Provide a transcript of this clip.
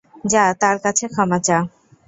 যা, তার কাছে ক্ষমা চা।